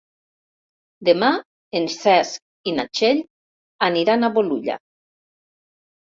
Demà en Cesc i na Txell aniran a Bolulla.